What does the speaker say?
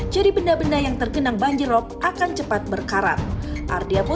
jadi benda benda yang terkena berlaku